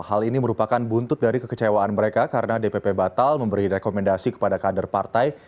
hal ini merupakan buntut dari kekecewaan mereka karena dpp batal memberi rekomendasi kepada kader partai